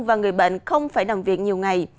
và người bệnh không phải nằm viện nhiều ngày